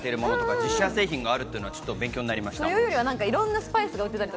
自社製品があるのは勉強になりました。